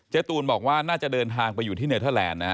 ตูนบอกว่าน่าจะเดินทางไปอยู่ที่เนเทอร์แลนด์นะฮะ